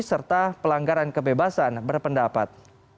serta pelanggaran kebebasan berpendapat